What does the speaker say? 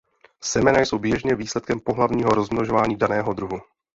Semena jsou běžně výsledkem pohlavního rozmnožování daného druhu.